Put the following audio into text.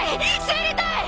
知りたい！